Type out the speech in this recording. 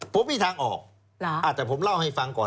ผมมีทางออกแต่ผมเล่าให้ฟังก่อน